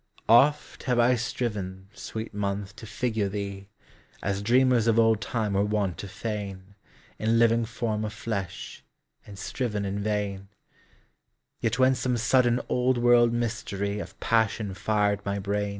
Oft have I striven, sweet month, to figure thee. As dreamers of old time were wont to feign, In living form of flesh, and striven in vain; Yet when some sudden old world mystery Of passion fired my bram.